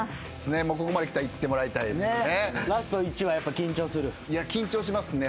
ここまできたらいってもらいたいですよね。